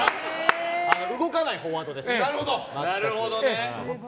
動かないフォワードです。